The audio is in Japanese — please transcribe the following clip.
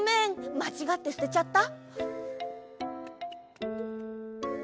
まちがってすてちゃった！？